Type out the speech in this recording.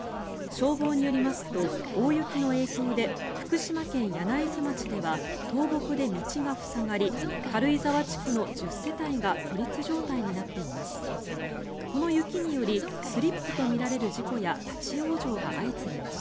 消防によりますと、大雪の影響で福島県柳津町では倒木で道が塞がり軽井沢地区の１０世帯が孤立状態になっています。